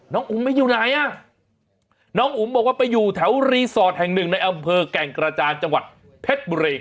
อุ๋มไม่อยู่ไหนอ่ะน้องอุ๋มบอกว่าไปอยู่แถวรีสอร์ทแห่งหนึ่งในอำเภอแก่งกระจานจังหวัดเพชรบุรี